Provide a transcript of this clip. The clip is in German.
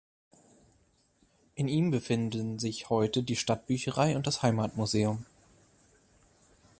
In ihm befinden sich heute die Stadtbücherei und das Heimatmuseum.